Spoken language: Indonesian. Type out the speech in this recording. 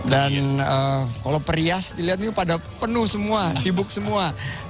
dan kalau perhias dilihat ini pada penuh semua sibuk semua